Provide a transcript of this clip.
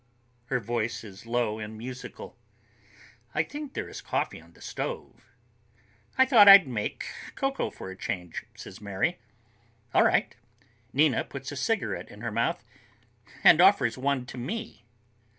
Her voice is low and musical. "I think there is coffee on the stove." "I thought I'd make cocoa for a change," says Mary. "All right." Nina puts a cigarette in her mouth and offers one to me.